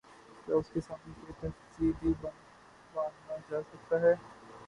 کیا اس کے سامنے کوئی تہذیبی بند باندھا جا سکتا ہے؟